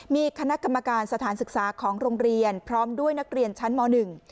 มีคณะกรรมการสถานศึกษาของโรงเรียนพร้อมด้วยนักเรียนชั้นมหนึ่ง